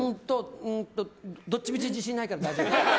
うーんと、どっちみち自信ないから大丈夫。